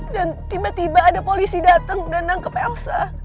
dan tiba tiba ada polisi datang dan nangkep elsa